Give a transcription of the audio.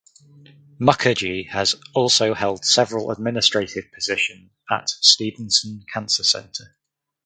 Mukherjee has also held several administrative position at Stephenson Cancer Center.